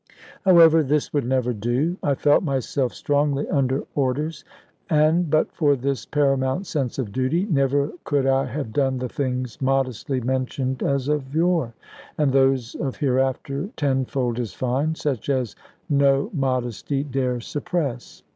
However, this would never do. I felt myself strongly under orders; and but for this paramount sense of duty, never could I have done the things modestly mentioned as of yore; and those of hereafter tenfold as fine, such as no modesty dare suppress.